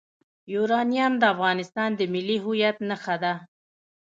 یورانیم د افغانستان د ملي هویت نښه ده.